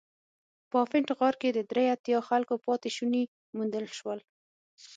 په افنټ غار کې د درې اتیا خلکو پاتې شوني موندل شول.